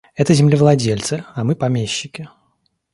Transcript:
Это землевладельцы, а мы помещики.